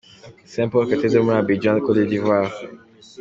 St Paul’s Cathedral muri Abidjan, Cote D’Ivoire.